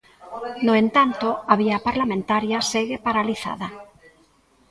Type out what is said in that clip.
No entanto, a vía parlamentaria segue paralizada.